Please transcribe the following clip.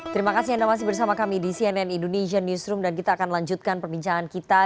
terima kasih anda masih bersama kami di cnn indonesia newsroom dan kita akan lanjutkan perbincangan kita